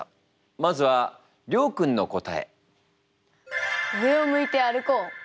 まずはリョウ君の答え。